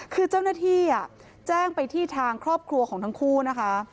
คือเจ้าหน้าที่แจ้งไปที่ทางครอบครัวของทั้งคู่นะคะ